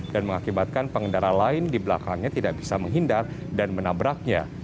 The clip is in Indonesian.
dan mengakibatkan pengendara lain di belakangnya tidak bisa menghindar dan menabraknya